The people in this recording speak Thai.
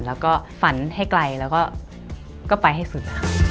แล้วก็ฝันให้ไกลแล้วก็ไปให้สุด